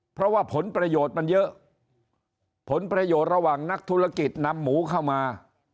เพราะว่าผลประโยชน์มันเยอะผลประโยชน์ระหว่างนักธุรกิจนำหมูเข้ามา